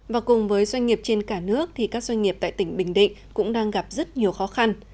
và cùng với doanh nghiệp trên cả nước thì các doanh nghiệp tại tỉnh bình định cũng đang gặp rất nhiều khó khăn